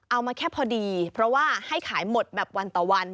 เอามาแค่พอดีเพราะว่าให้ขายหมดแบบวันต่อวัน